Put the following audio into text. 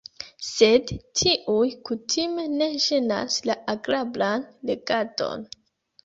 Sed tiuj kutime ne ĝenas la agrablan legadon.